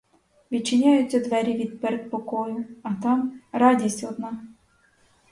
Відчиняються двері від передпокою, а там — радість одна!